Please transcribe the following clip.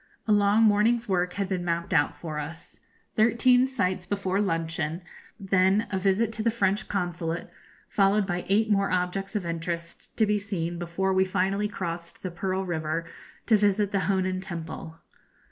A long morning's work had been mapped out for us thirteen sights before luncheon, then a visit to the French Consulate, followed by eight more objects of interest to be seen before we finally crossed the Pearl River to visit the Honan Temple.